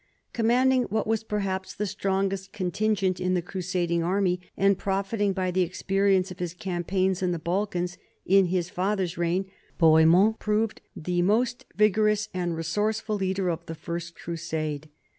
Commanding what was perhaps the strongest contingent in the crusading army and profiting by the experience of his campaigns in the Balkans in his fa ther's reign, Bohemond proved the most vigorous and resourceful leader of the First Crusade.